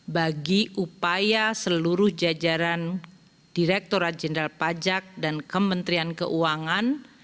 bagi upaya seluruh jajaran direkturat jenderal pajak dan kementerian keuangan